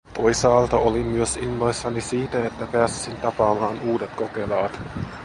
Toisaalta olin myös innoissani siitä, että pääsisin tapaamaan uudet kokelaat.